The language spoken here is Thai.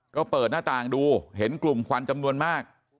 ก็เปิดหน้าต่างดูเห็นกลุ่มควันจำนวนมาก